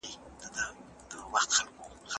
موږ باید تل د هیلو ډکې سترګې ولرو او هڅه وکړو.